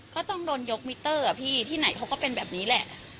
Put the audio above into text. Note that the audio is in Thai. ก็ต้องโดนยกมิเตอร์อ่ะพี่ที่ไหนเขาก็เป็นแบบนี้แหละ